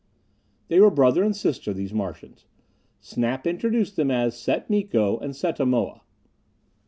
They were brother and sister, these Martians. Snap introduced them as Set Miko and Setta Moa.